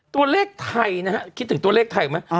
ตัวเลขไทยนะฮะคิดถึงตัวเลขไทยไหม